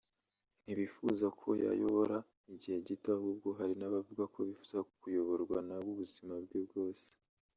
ntibifuza ko yabayobora igihe gito ahubwo hari n’abavuga ko bifuza kuyoborwa nawe ubuzima bwe bwose